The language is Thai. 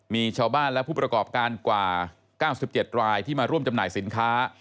มีชาวบ้านและผู้ประกอบการกว่า๙๗รายที่มาร่วมจำหน่ายสินค้า